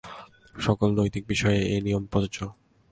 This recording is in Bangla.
সকল নৈতিক বিষয়েই এই নিয়ম প্রযোজ্য।